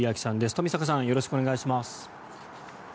冨坂さんよろしくお願いします。